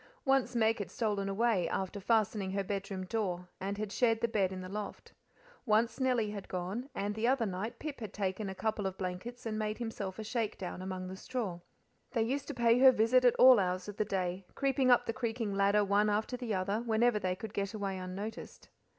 Once Meg had stolen away, after fastening her bedroom door, and had shared the bed in the loft; once Nellie had gone, and the other night Pip had taken a couple of blankets and made himself a shakedown among the straw. They used to pay her visits at all hours of the day, creeping up the creaking ladder one after the other, whenever they could get away unnoticed.